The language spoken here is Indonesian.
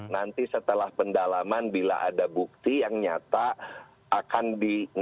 nanti setelah pendalaman bila ada bukti yang nyata akan di